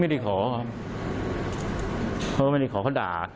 ไม่ได้ขอครับเขาไม่ได้ขอเขาด่า